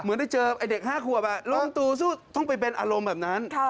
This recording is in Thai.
เหมือนได้เจอเด็ก๕ขวบลุงตูสู้ต้องไปเป็นอารมณ์แบบนั้น